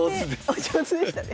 お上手でしたね。